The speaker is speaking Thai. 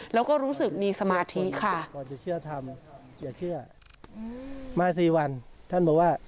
แล้วก็รู้สึกมีสมาธิค่ะ